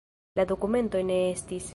La dokumentoj ne estis.